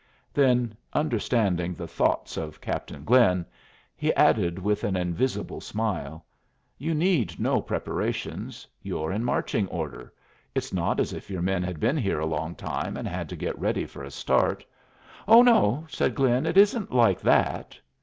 Then, understanding the thoughts of Captain Glynn, he added, with an invisible smile, "You need no preparations. You're in marching order. It's not as if your men had been here a long time and had to get ready for a start." "Oh no," said Glynn, "it isn't like that."